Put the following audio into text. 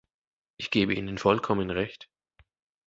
Ich gebe ihnen vollkommen Recht.